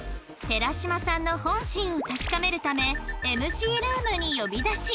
寺島さんの本心を確かめるため ＭＣ ルームに呼び出し